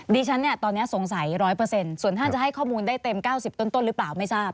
ดิฉันเนี่ยตอนนี้สงสัย๑๐๐ส่วนท่านจะให้ข้อมูลได้เต็ม๙๐ต้นหรือเปล่าไม่ทราบ